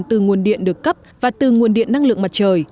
từ nguồn điện được cấp và từ nguồn điện năng lượng mặt trời